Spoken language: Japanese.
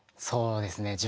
そうですね